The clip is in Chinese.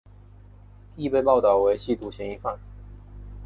亦被报导为吸毒嫌疑犯。